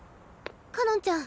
かのんちゃん